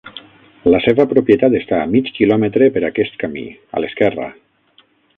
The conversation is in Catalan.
La seva propietat està a mig quilòmetre per aquest camí, a l"esquerra.